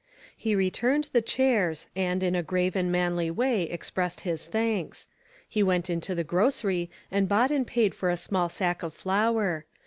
He returned the chairs, and, in a grave and manly way, expressed his thanks. He went into the grocery and bought and paid for a small sack of flour.